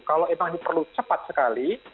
kalau itu perlu cepat sekali